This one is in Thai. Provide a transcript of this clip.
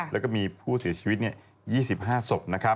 แล้วก็มีผู้เสียชีวิต๒๕ศพ